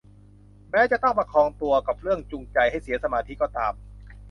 แม้จะต้องประคองตัวกับเรื่องจูงใจให้เสียสมาธิก็ตาม